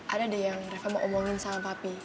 ada deh yang mereka mau omongin sama papi